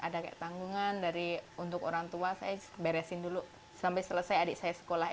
ada ke tanggungan dari untuk orangtua saya beresin dulu sampai selesai adik saya sekolah